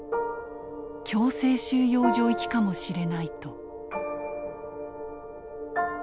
強制収容所行きかもしれないと」。